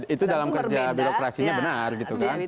itu dalam kerja birokrasinya benar gitu kan